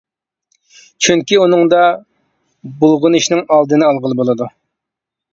چۈنكى ئۇنىڭدا بۇلغىنىشنىڭ ئالدىنى ئالغىلى بولىدۇ.